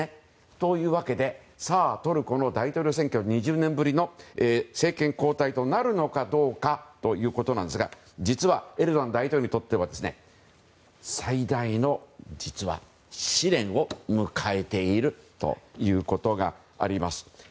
というわけでトルコの大統領選挙２０年ぶりの政権交代となるのかどうかですが実はエルドアン大統領にとっては最大の試練を迎えているということがあります。